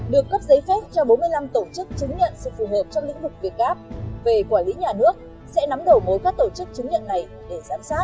được cấp giấy phép cho bốn mươi năm tổ chức chứng nhận sự phù hợp trong lĩnh vực việt gap về quản lý nhà nước sẽ nắm đầu mối các tổ chức chứng nhận này để giám sát